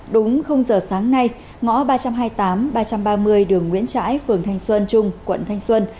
đúng giờ sáng nay ngõ ba trăm hai mươi tám ba trăm ba mươi đường nguyễn trãi phường thanh xuân trung quận thanh xuân